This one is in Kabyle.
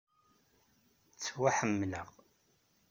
Ttwaḥemmleɣ.